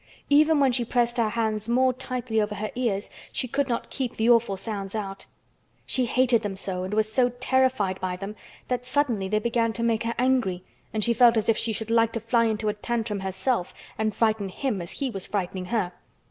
Even when she pressed her hands more tightly over her ears she could not keep the awful sounds out. She hated them so and was so terrified by them that suddenly they began to make her angry and she felt as if she should like to fly into a tantrum herself and frighten him as he was frightening her.